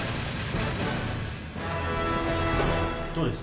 どうです？